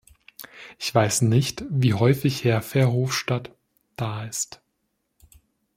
Ich weiß nicht, wie häufig Herr Verhofstadt da ist.